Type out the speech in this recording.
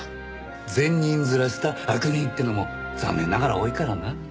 善人面した悪人っていうのも残念ながら多いからな。